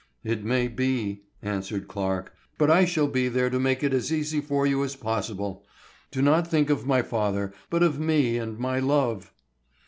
"It may be," answered Clarke, "but I shall be there to make it as easy for you as possible. Do not think of my father, but of me and my love."